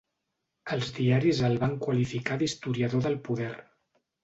Els diaris el van qualificar d'historiador del poder.